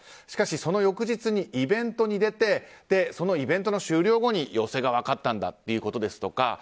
しかし、その翌日にイベントに出てそのイベントの終了後に陽性が分かったんだということですとか